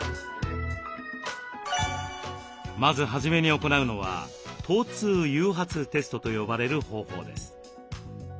まず初めに行うのは疼痛誘発テストと呼ばれる方法です。